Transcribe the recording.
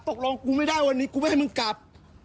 ตกลงกูไม่ได้วันนี้กูไม่ให้มึงกลับ